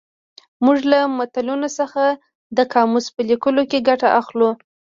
موږ له متلونو څخه د قاموس په لیکلو کې ګټه اخلو